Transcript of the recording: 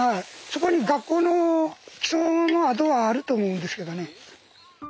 そこに学校の基礎の跡があると思うんですけどね。